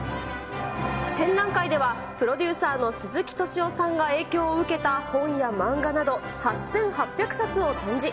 展覧会では、プロデューサーの鈴木敏夫さんが影響を受けた本や漫画など、８８００冊を展示。